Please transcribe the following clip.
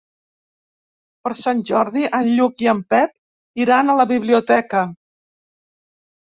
Per Sant Jordi en Lluc i en Pep iran a la biblioteca.